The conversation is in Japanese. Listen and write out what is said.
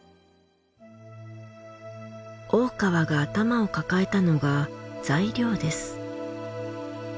大川が頭を抱えたのが材料です。